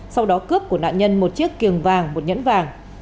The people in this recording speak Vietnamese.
sau đó cướp của nạn nhân một chiếc kiềng vàng một nhẫn vàng